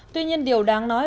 tuy nhiên điều đáng nói